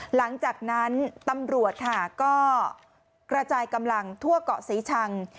หลังจากนั้นตำรวจค่ะก็กระจายกำลังทั่วเกาะศรีชัง